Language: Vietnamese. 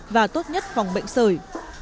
và tốt nhất phòng bệnh sởi